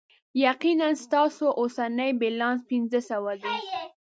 یقینا، ستاسو اوسنی بیلانس پنځه سوه دی.